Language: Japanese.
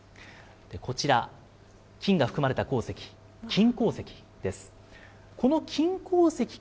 こちら、金が含まれた鉱石、金鉱石です。